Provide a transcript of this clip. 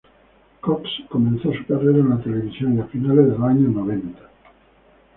Cocks comenzó su carrera en la televisión a finales de los años noventa.